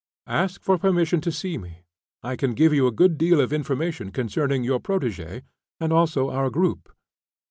Ask for a permission to see me. I can give you a good deal of information concerning your protegee, and also our group.